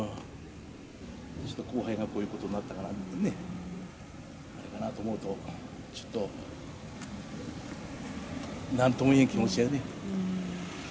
後輩がこういうことになったからね、あれかなと思うと、ちょっと、なんとも言えん気持ちやね。